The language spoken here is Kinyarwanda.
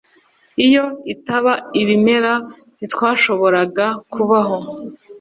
Iyo itaba ibimera, ntitwashoboraga kubaho.